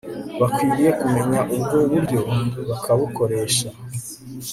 bakwiriye kumenya ubwo buryo bakabukoresha